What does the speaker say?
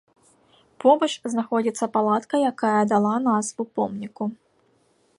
Побач знаходзіцца палатка, якая дала назву помніку.